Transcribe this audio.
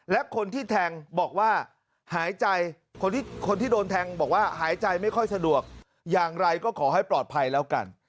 แล้วคนที่โดนแทงบอกว่าหายใจไม่ค่อยสะดวกยังไรก็ขอให้ปลอดภัยแล้วกัน